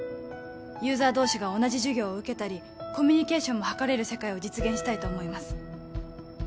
ユーザー同士が同じ授業を受けたりコミュニケーションもはかれる世界を実現したいと思います